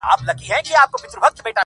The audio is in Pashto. لاس یې مات وار یې خطا ګذار یې پوچ کړې,